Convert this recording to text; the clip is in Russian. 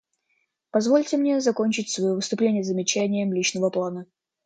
Позвольте мне закончить свое выступление замечанием личного плана.